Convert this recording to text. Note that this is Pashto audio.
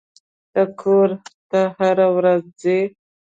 ته کور ته هره ورځ ځې.